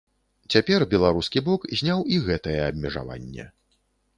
Цяпер беларускі бок зняў і гэтае абмежаванне.